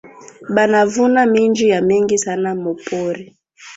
Bana vuna minji ya mingi sana mu pori